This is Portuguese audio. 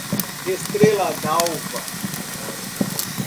Estrela Dalva